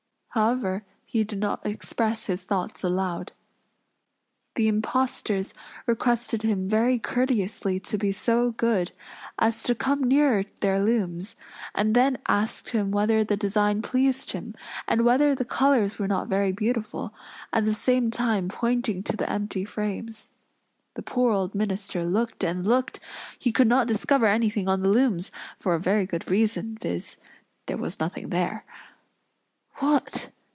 However, he did not express his thoughts aloud. The impostors requested him very courteously to be so good as to come nearer their looms; and then asked him whether the design pleased him, and whether the colors were not very beautiful; at the same time pointing to the empty frames. The poor old minister looked and looked, he could not discover anything on the looms, for a very good reason, viz: there was nothing there. "What!"